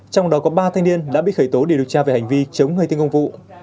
trong đó có ba thanh niên đã bị khởi tố để điều tra về hành vi chống người thinh công vụ